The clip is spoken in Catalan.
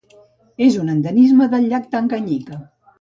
És un endemisme del llac Tanganyika: